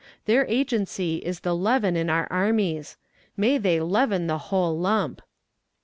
Their agency is the leaven in our armies. May they leaven the whole lump!